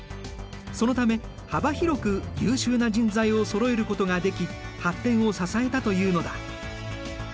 そのため幅広く優秀な人材をそろえることができ発展を支えたというのだ。